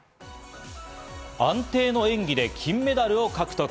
安定の演技で金メダルを獲得。